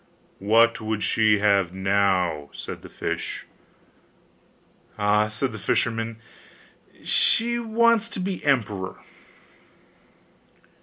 'What would she have now?' said the fish. 'Ah!' said the fisherman, 'she wants to be emperor.